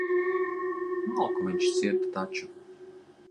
Malku viņš cirta taču.